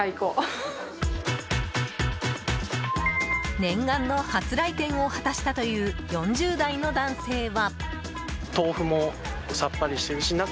念願の初来店を果たしたという４０代の男性は。